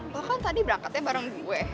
lo kan tadi berangkatnya bareng gue